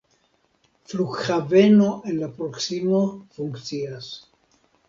Flughaveno en la proksimo funkcias.